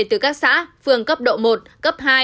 từ các xã phường cấp độ một cấp hai